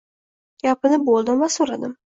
Gapini bo‘ldim va so‘radim.